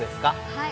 はい